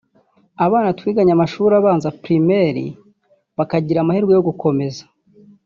Abana twiganye amashuri abanza (primaire) bakagira amahirwe yo gukomeza